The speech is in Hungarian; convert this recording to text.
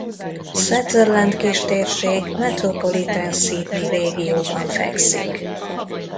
Sutherland kistérség Metropolitan Sydney régióban fekszik.